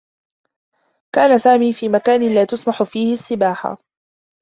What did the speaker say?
كان سامي في مكان لا تُسمح فيه السّباحة.